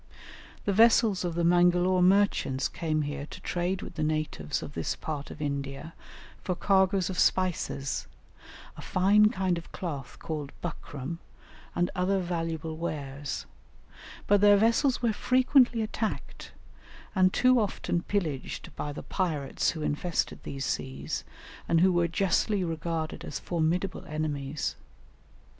The vessels of the Mangalore merchants came here to trade with the natives of this part of India for cargoes of spices, a fine kind of cloth called buckram and other valuable wares; but their vessels were frequently attacked, and too often pillaged by the pirates who infested these seas, and who were justly regarded as formidable enemies.